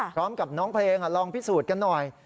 พร้อมกับน้องเพลงลองพิสูจน์กันหน่อย